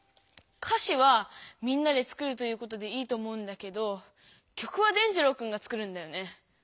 歌詞はみんなで作るということでいいと思うんだけど曲は伝じろうくんが作るんだよね？